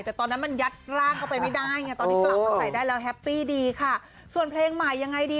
แต่ตอนนั้นยัดลากเข้าไปไม่ได้ตอนกลับไม่ใส่ได้แล้วแฮปตีดีส่วนเพลงใหม่อย่างไรดี